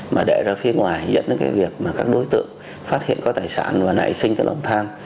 mà để ra phía ngoài dẫn đến cái việc mà các đối tượng phát hiện có tài sản và nảy sinh cái lòng tham